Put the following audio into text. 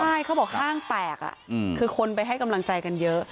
ใช่เขาบอกห้างแตกคือคนไปให้กำลังใจกันเยอะ